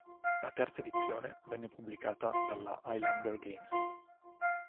La terza edizione venne pubblicata dalla Highlander Games.